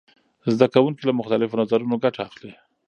زده کوونکي له مختلفو نظرونو ګټه اخلي.